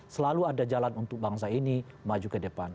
selalu ada jalan untuk bangsa ini maju ke depan